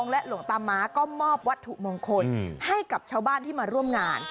และหลวงตาม้าก็มอบวัตถุมงคลให้กับชาวบ้านที่มาร่วมงาน